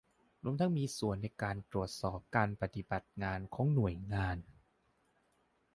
รวมทั้งมีส่วนในการตรวจสอบการปฏิบัติงานของหน่วยงาน